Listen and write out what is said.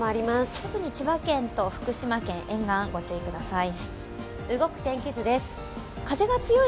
特に千葉県と福島県沿岸、お気をつけください。